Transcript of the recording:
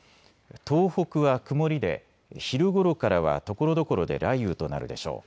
東北は曇りで昼ごろからはところどころで雷雨となるでしょう。